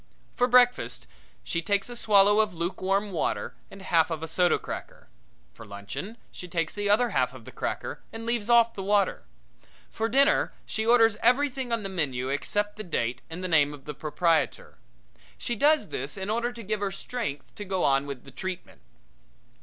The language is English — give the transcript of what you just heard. For breakfast she takes a swallow of lukewarm water and half of a soda cracker. For luncheon she takes the other half of the cracker and leaves off the water. For dinner she orders everything on the menu except the date and the name of the proprietor. She does this in order to give her strength to go on with the treatment.